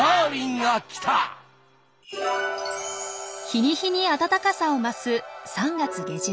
日に日に暖かさを増す３月下旬。